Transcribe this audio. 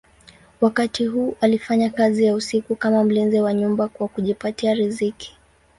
Wakati huu alifanya kazi ya usiku kama mlinzi wa nyumba kwa kujipatia riziki.